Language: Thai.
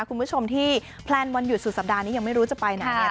คุณผู้ชมที่แพลนวันหยุดสุดสัปดาห์นี้ยังไม่รู้จะไปไหนเนี่ย